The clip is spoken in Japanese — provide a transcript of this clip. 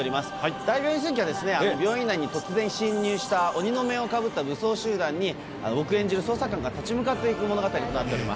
大病院占拠はですね、病院内に突然侵入した鬼のお面をかぶった武装集団に、僕演じる捜査官が立ち向かっていく物語となっています。